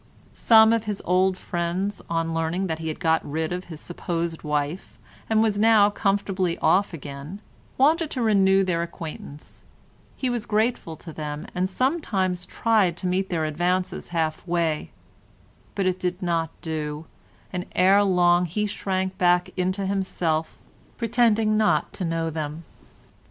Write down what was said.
Some of his old friends, on learning that he had got rid of his supposed wife and was now comfortably off again, wanted to renew their acquaintance; he was grateful to them and sometimes tried to meet their advances half way, but it did not do, and ere long he shrank back into himself, pretending not to know them.